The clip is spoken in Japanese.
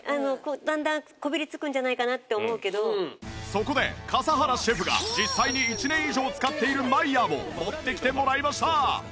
そこで笠原シェフが実際に１年以上使っているマイヤーを持ってきてもらいました